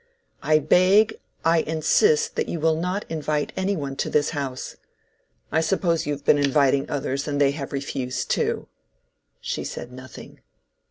I beg, I insist that you will not invite any one to this house. I suppose you have been inviting others, and they have refused too." She said nothing.